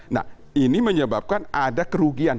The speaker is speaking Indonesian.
nah ini menyebabkan ada kerugian